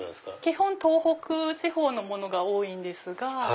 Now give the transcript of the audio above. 基本東北地方のものが多いです。